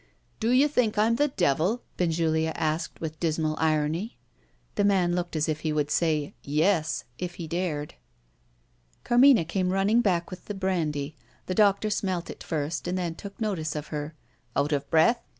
"Do you think I'm the Devil?" Benjulia asked with dismal irony. The man looked as if he would say "Yes," if he dared. Carmina came running back with the brandy. The doctor smelt it first, and then took notice of her. "Out of breath?"